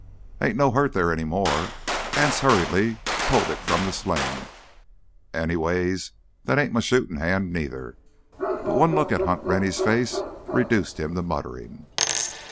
"Ain't no hurt there any more." Anse hurriedly pulled it from the sling. "Anyways, that ain't m' shootin' hand, neither!" But one look at Hunt Rennie's face reduced him to muttering.